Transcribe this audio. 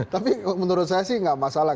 tapi menurut saya sih nggak masalah